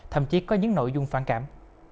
thậm chí có những nội dung phản cảm